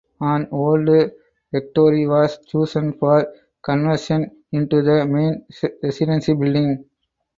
An old rectory was chosen for conversion into the main residency building.